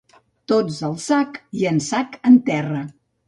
Tots al sac, i en sac en terra.